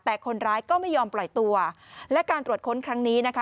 แต่คนร้ายก็ไม่ยอมปล่อยตัวและการตรวจค้นครั้งนี้นะคะ